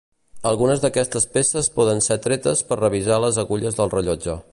Algunes d'aquestes peces poden ser tretes per revisar les agulles del rellotge.